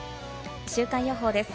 週間予報です。